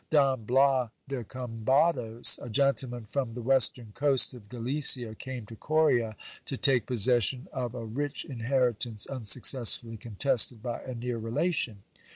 Don Bias de Combados, a gentleman from the western coast of Galicia, came to Coria, to take possession of a rich inheritance unsuccessfully contested by a near relation.